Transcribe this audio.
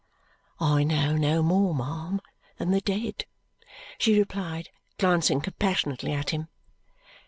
"I know no more, ma'am, than the dead," she replied, glancing compassionately at him.